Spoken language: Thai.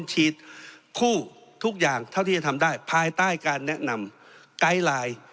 ฉีดคู่ทุกอย่างเท่าที่จะทำได้ภายใต้การแนะนำไกด์ไลน์